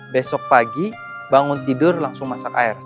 besok pagi bangun tidur langsung masak air